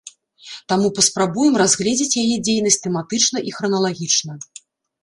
Таму паспрабуем разгледзець яе дзейнасць тэматычна і храналагічна.